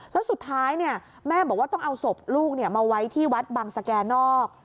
แล้วสุดท้ายแม่บอกว่าต้องเอาศพลูกมาไว้ที่วัดบังสแก่นอก